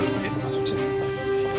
そっち。